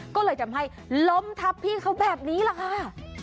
ก็เลยทำให้ล้มทับพี่เขาแบบนี้แหละค่ะ